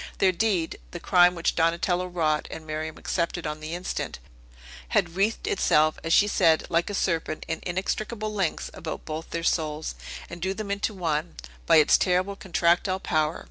Their deed the crime which Donatello wrought, and Miriam accepted on the instant had wreathed itself, as she said, like a serpent, in inextricable links about both their souls, and drew them into one, by its terrible contractile power.